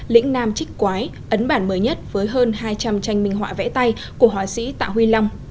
lĩnh nam chích quái ấn bản mới nhất với hơn hai trăm linh tranh minh họa vẽ tay của hóa sĩ tạ huy lâm